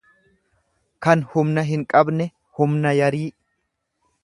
kan humna hinqabne, humna yarii.